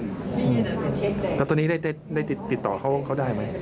แล้วตอนนี้ได้ติดต่อเขาได้ไหม